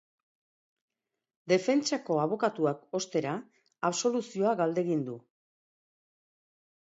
Defentsako abokatuak, ostera, absoluzioa galdegin du.